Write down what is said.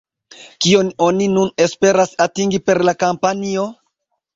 Kion oni nun esperas atingi per la kampanjo?